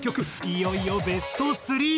いよいよベスト３。